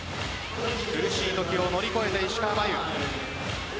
苦しいときを乗り越えて石川真佑。